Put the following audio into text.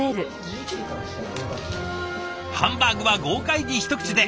ハンバーグは豪快に一口で。